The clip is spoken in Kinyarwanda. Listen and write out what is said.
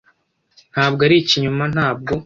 ntabwo ari ikinyoma ntabwo